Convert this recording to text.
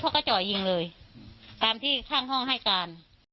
เขาก็เจาะยิงเลยตามที่ข้างห้องให้การ